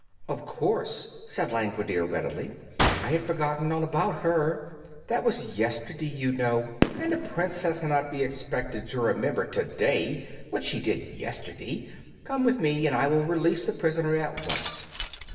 "Of course," said Langwidere, readily. "I had forgotten all about her. That was yesterday, you know, and a Princess cannot be expected to remember today what she did yesterday. Come with me, and I will release the prisoner at once."